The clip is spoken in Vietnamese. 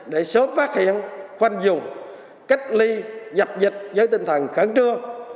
để sớm phát hiện khoanh vùng cách ly dập dịch với tinh thần khẩn trương